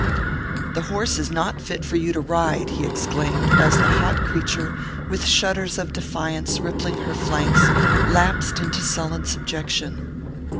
"The horse is not fit for you to ride," he exclaimed, as the hot creature, with shudders of defiance rippling her flanks, lapsed into sullen subjection.